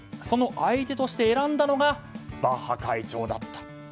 その相手として選んだのがバッハ会長だった。